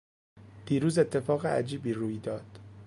دیروز اتفاق عجیبی روی داد.